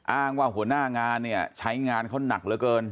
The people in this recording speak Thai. อ้างว่าหัวหน้างานเนี่ยใช้งานเขาหนักเหลือเกิน